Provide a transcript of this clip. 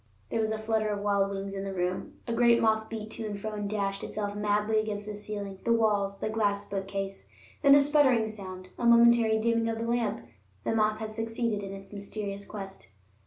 There was a flutter of wild wings in the room. A great moth beat to and fro and dashed itself madly against the ceiling, the walls, the glass bookcase. Then a sputtering sound, a momentary dimming of the lamp. The moth had succeeded in its mysterious quest.